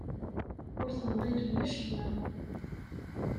Ur temḍilem acemma.